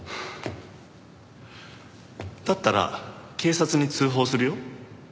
だったら警察に通報するよ？